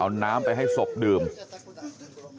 ชาวบ้านในพื้นที่บอกว่าปกติผู้ตายเขาก็อยู่กับสามีแล้วก็ลูกสองคนนะฮะ